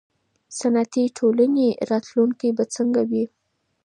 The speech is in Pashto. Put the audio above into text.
صنعتي ټولنې راتلونکی به څنګه وي.